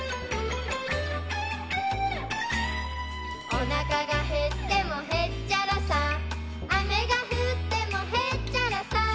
「おなかがへってもへっちゃらさ」「雨が降ってもへっちゃらさ」